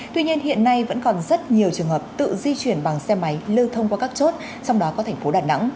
tuy nhiên hiện nay vẫn còn rất nhiều trường hợp tự di chuyển bằng xe máy lưu thông qua các chốt trong đó có thành phố đà nẵng